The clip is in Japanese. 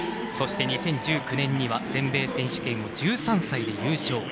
そして、２０１９年には全米選手権を１３歳で優勝。